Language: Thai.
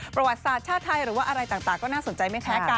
ประวัติศาสตร์ชาติไทยหรือว่าอะไรต่างก็น่าสนใจไม่แพ้กัน